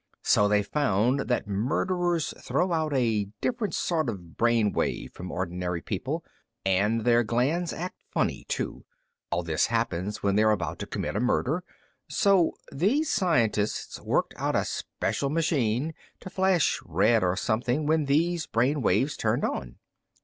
So they found that murderers throw out a different sort of brain wave from ordinary people. And their glands act funny, too. All this happens when they're about to commit a murder. So these scientists worked out a special machine to flash red or something when these brain waves turned on."